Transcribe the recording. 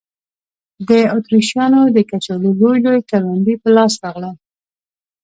د اتریشیانو د کچالو لوی لوی کروندې په لاس راغلل.